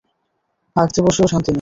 হাগতে বসেও শান্তি নাই!